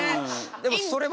でもそれは。